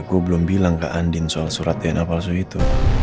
gue belum bilang ke andin soal surat dna palsu itu